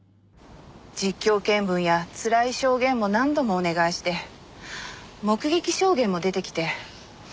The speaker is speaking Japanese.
実況見分やつらい証言も何度もお願いして目撃証言も出てきて